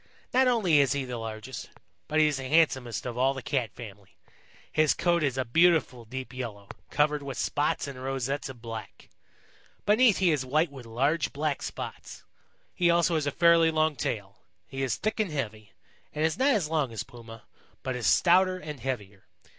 Not only is he the largest, but he is the handsomest of all the Cat family. His coat is a beautiful deep yellow, covered with spots and rosettes of black. Beneath he is white with large black spots. He also has a fairly long tail. He is thick and heavy, and is not as long as Puma, but is stouter and heavier.